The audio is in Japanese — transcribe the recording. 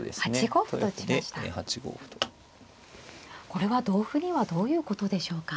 これは同歩にはどういうことでしょうか。